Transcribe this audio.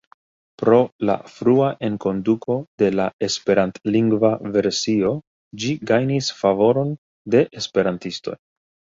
Pro la frua enkonduko de la esperantlingva versio ĝi gajnis favoron de esperantistoj.